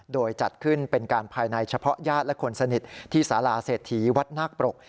โดยจัดขึ้นเป็นการภายในเฉพาะญาติและคนสนิทที่สาราเศรษฐีวัดนาคปรก